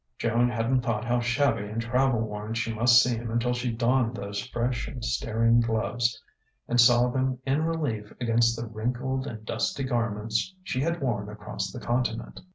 Joan hadn't thought how shabby and travel worn she must seem until she donned those fresh and staring gloves and saw them in relief against the wrinkled and dusty garments she had worn across the continent.